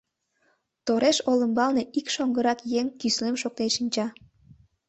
Тореш олымбалне ик шоҥгырак еҥ кӱслем шоктен шинча.